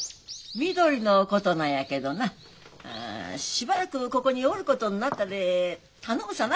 みどりのことなんやけどなしばらくここにおることになったで頼むさな。